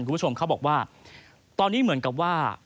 คุณผู้ชมเขาบอกว่าตอนนี้เหมือนกับว่า